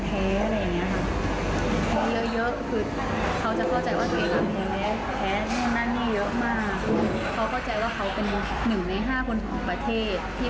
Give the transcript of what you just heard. เคยมีคนบอกว่าเขาพูดภาษาเทศกาย